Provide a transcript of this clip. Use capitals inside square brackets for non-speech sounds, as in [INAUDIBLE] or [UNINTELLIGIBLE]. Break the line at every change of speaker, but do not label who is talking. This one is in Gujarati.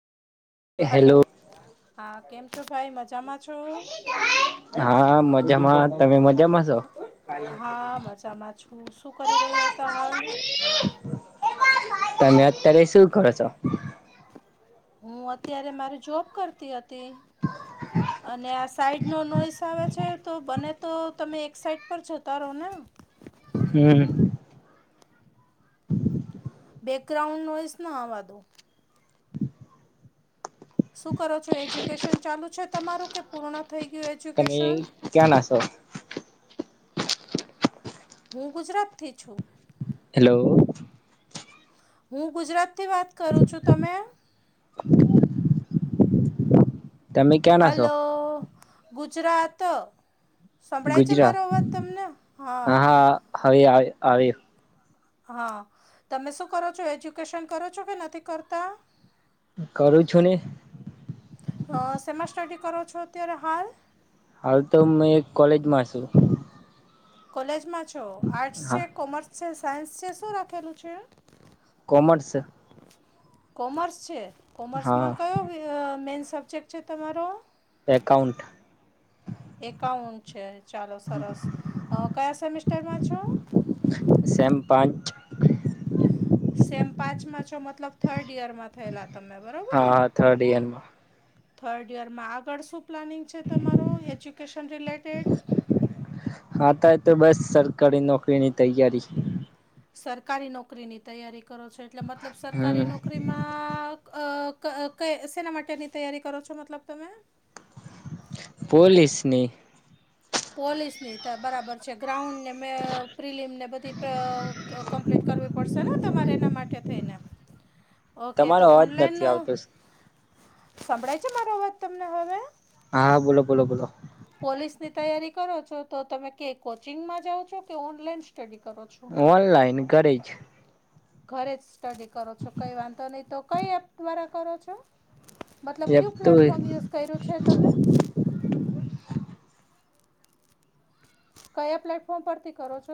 હલો
હેલો
હા કેમ છો ભાઈ મજામાં છો?
હા મજામાં તમે મજામાં? છો
હા મજામાં છું શું કરી રહ્યા હતા હાલ?
[UNINTELLIGIBLE] તમે અત્યારે શું કરો છો?
હું અત્યારે મારી જોબ કરતી હતી અને આસ સાઈડનો નોઈસ આવે છે તો બને તો તમે એક સાઈડ પર જોતા રહો ના
હમ્મ. [INAUDIBLE]
એક રાઉન્ડ નોઈઝ ન આવા દો. શું કરો છો એજ્યુકેશન ચાલુ છે તમારું કે પૂર્ણ થઈ ગયું એ
તમે ક્યાં ના સોં?
હું ગુજરાતથી છું.
હેલો.
હું ગુજરાત થી વાત કરું છું તમે?
[INAUDIBLE] તમે ક્યાં ના છો
હલો ગુજરાત. સંભળાય છે
ગુજરાત
મારો અવાજ તમને હા.
હવે આવે આવે.
હા તમે શું કરો છો એજ્યુકેશન કરો છો કે નથી કરતા?
કરું છું ને.
હ સેમાં સ્ટડી કરો છો અત્યારે હાલ?
હાલ તો મેં એક કોલેજ માં છું.
કોલેજમાં છો આર્ટસ
હા
છે, કોમર્સ છે, સાયન્સ છે શું રાખેલું છે?
કોમર્સ.
કોમર્સ છે કોમર્સમાં
હા
કયો અહ મેઈન સબ્જેક્ટ છે તમારો?
એકાઉન્ટ.
એકાઉન્ટ છે ચાલો સરસ અહ કયા સેમેિસ્ટરમાં છો?
સેમ પાંચ.
સેમ પાંચમાં છો મતલબ થર્ડ યરમાં થયેલા તમે બરોબર ને.
હા થર્ડ એઅરમાં
થર્ડ યરમાં આગળ શું પ્લાનિંગ છે તમારો એજ્યુકેશન રિલેટેડ?
હા ત તો બસ સરકારી નોકરીની તૈયારી.
સરકારી નોકરીની તૈયારી કરો છો એટલે મતલબ સરકારી
હમ
નોકરી માં અહ ક કે સેના માટેની તૈયારી કરો છો મતલબ તમે?
પોલીસની.
પોલિસની ટી બરાબર છે ગ્રાઉન્ડ ને મે પ્રિલીમને બધી પ્ર અહ કમ્પ્લીટ કરવી પડશે ને તમારે એના માટે થઈને. ઓકે
તમારો
તો
અવાજ
ઓનલાઈન
નથી આવતો સ.
સંભળાય છે મારો વાત તમને હવે?
હા, બોલો બોલો બોલો.
પોલીસની તૈયારી કરો છો તો તમે કે કોચિંગમાં જાઓ છો કે ઓનલાઈન સ્ટડી કરો છો?
ઓનલાઈન કરે છ.
ઘરે જ સ્ટડી કરો છો કંઈ વાંધો નહીં તો કઈ એપ દ્વારા કરો છો? મતલબ
એપ
ક્યુ
તો
પ્લેટફોર્મ યુઝ કર્યું છે તમે? કયા પ્લેટફોર્મ પરથી કરો છો?